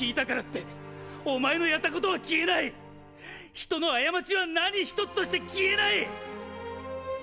人の過ちは何一つとして消えない！！